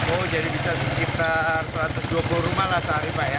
oh jadi bisa sekitar satu ratus dua puluh rumah lah sehari pak ya